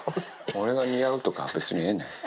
俺が似合うとか、別にええねん。